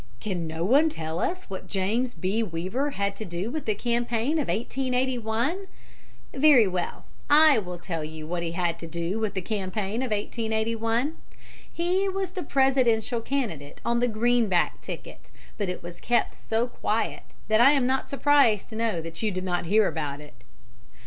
Can no one tell us what James B. Weaver had to do with the campaign of 1881? Very well; I will tell you what he had to do with the campaign of 1881. He was the Presidential candidate on the Greenback ticket, but it was kept so quiet that I am not surprised to know that you did not hear about it.